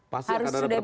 pasti akan ada pertanyaan